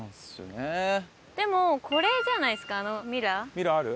ミラーある？